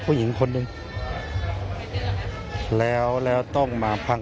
คุณยายบอกว่ารู้สึกเหมือนใครมายืนอยู่ข้างหลัง